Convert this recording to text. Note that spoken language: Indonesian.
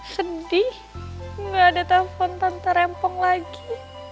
sedih gak ada telepon tante rempong lagi